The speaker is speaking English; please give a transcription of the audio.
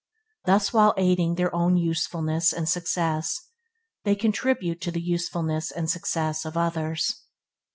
Thus while aiding their own usefulness and success, they contribute to the usefulness and success of others.